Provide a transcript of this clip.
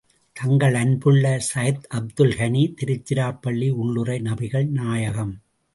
தங்களன்புள்ள சையத் அப்துல் கனி திருச்சிராப்பள்ளி உள்ளுறை நபிகள் நாயகம்...